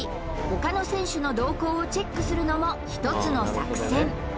ほかの選手の動向をチェックするのも１つの作戦